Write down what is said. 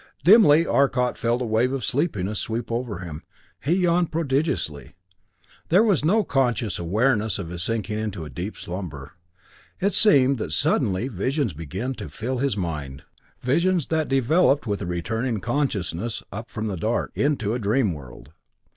Dimly Arcot felt a wave of sleepiness sweep over him; he yawned prodigiously. There was no conscious awareness of his sinking into a deep slumber. It seemed that suddenly visions began to fill his mind visions that developed with a returning consciousness up from the dark, into a dream world.